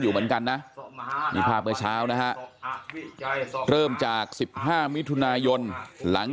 อยู่เหมือนกันนะนี่ภาพเมื่อเช้านะฮะเริ่มจาก๑๕มิถุนายนหลัง